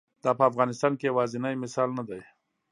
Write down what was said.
دا په افغانستان کې یوازینی مثال نه دی.